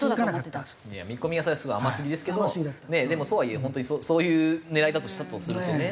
見込みはそれはすごい甘すぎですけどでもとはいえ本当にそういう狙いだとしたとするとね。